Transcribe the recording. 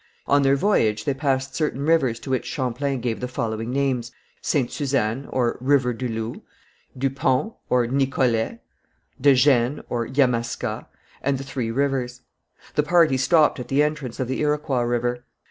On their voyage they passed certain rivers to which Champlain gave the following names, Ste. Suzanne (River du Loup), du Pont (Nicolet), de Gênes (Yamaska), and the Three Rivers. The party stopped at the entrance of the Iroquois River.